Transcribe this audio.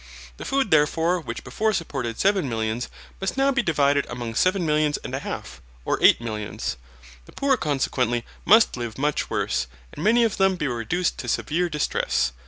The food therefore which before supported seven millions must now be divided among seven millions and a half or eight millions. The poor consequently must live much worse, and many of them be reduced to severe distress.